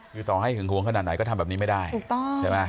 คือต่อให้หึงหวงขนาดไหนก็ทำแบบนี้ไม่ได้ถูกต้องใช่ไหม